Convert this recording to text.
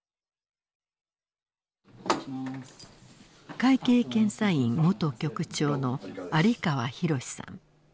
会計検査院元局長の有川博さん。